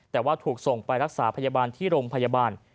แต่ว่าถูกส่งไปรักษาพยาบาลที่โรงพยาบาล